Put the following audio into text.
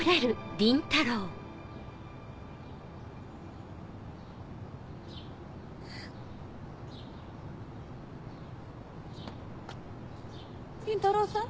倫太郎さん